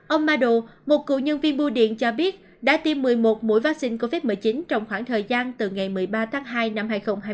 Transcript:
ông madu một cựu nhân viên bưu điện cho biết đã tiêm một mươi một mũi vaccine covid một mươi chín trong khoảng thời gian từ ngày một mươi ba tháng hai năm hai nghìn hai mươi